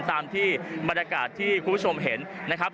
ตามที่บรรยากาศที่คุณผู้ชมเห็นนะครับ